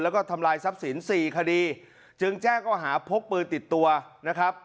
แล้วก็ทำลายทรัพย์สินสี่คดีจึงแจ้งก็หาพกปืนติดตัวนะครับ